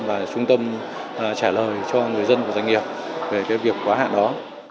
và trung tâm trả lời cho người dân và doanh nghiệp về cái việc quá hạn đó